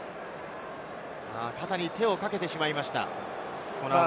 肩に手をかけてしまいました。